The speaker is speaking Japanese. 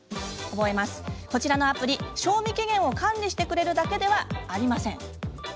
こちらのアプリ、賞味期限を管理してくれるだけではありません。